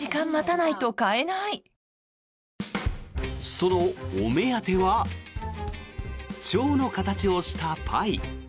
そのお目当てはチョウの形をしたパイ。